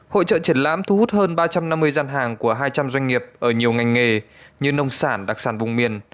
hội trợ triển lãm thu hút hơn ba trăm năm mươi gian hàng của hai trăm linh doanh nghiệp ở nhiều ngành nghề như nông sản đặc sản vùng miền